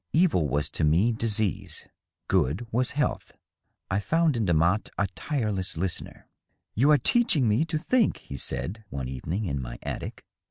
Evil was to me disease, good was health. I found in Demotte a tireless listener. " You are teaching me to think,^^ he said, one evening, in my attic.